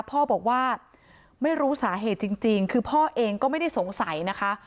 พ่อบอกว่าไม่รู้สาเหตุจริงคือพ่อเองก็ไม่ได้สงสัยนะคะ